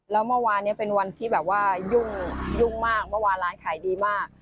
แล้วเมื่อวานนี้เป็นวันที่แบบว่ายุ่งมากเมื่อวานร้านขายดีมาก